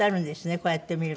こうやって見ると。